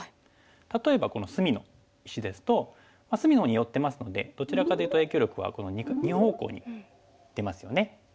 例えばこの隅の石ですと隅の方に寄ってますのでどちらかというと影響力はこの２方向に出ますよね。